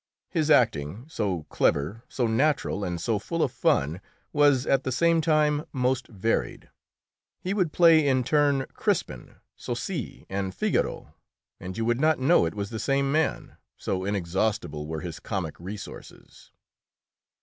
His acting, so clever, so natural, and so full of fun, was at the same time most varied. He would play in turn Crispin, Sosie, and Figaro, and you would not know it was the same man, so inexhaustible were his comic resources.